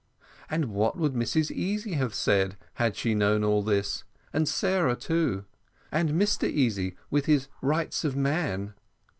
And what would Mrs Easy have said, had she known all this and Sarah too? And Mr Easy, with his rights of man?